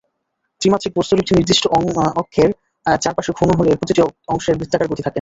ত্রি-মাত্রিক বস্তুর একটি নির্দিষ্ট অক্ষের চারপাশে ঘূর্ণন হলে এর প্রতিটি অংশের বৃত্তাকার গতি থাকে।